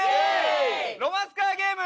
ロマンスカーゲーム！